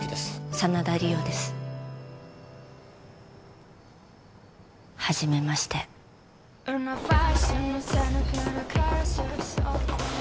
真田梨央ですはじめましておととい